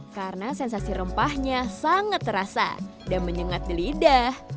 karena sensasi rempahnya sangat terasa dan menyengat di lidah